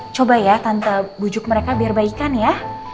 coba ya tante bujuk mereka biar baikan ya